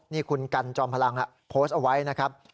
นี่คุณกันจอมพลังโพสต์เอาไว้นะครับ